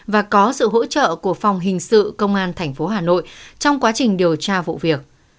và có sự hỗ trợ của phòng hình sự công an tp hà nội trong quá trình điều tra vụ việc